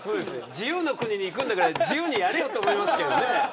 自由の国に行くんだから自由にやれよと思いますけどね。